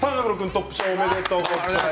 トップ賞おめでとうございます。